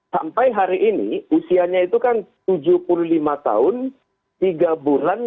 sampai hari ini usianya itu kan tujuh puluh lima tahun tiga bulan